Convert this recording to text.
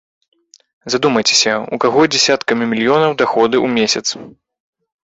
Задумайцеся, у каго дзясяткамі мільёнаў даходы ў месяц.